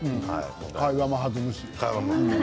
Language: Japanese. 会話も弾むし。